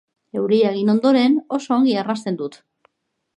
Euria egin ondoren oso ongi arnasten dut.